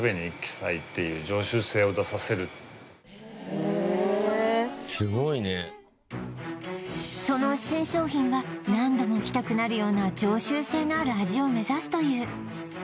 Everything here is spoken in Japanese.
へえすごいねその新商品は何度も来たくなるような常習性のある味を目指すという